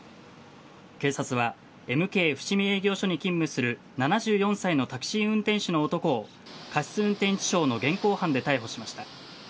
警察はエムケイ伏見営業所に勤務する７４歳のタクシー運転手の男を過失運転致傷の現行犯で逮捕しました。